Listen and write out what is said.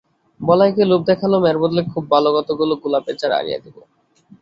বলাইকে লোভ দেখালুম, এর বদলে খুব ভালো কতকগুলো গোলাপের চারা আনিয়ে দেব।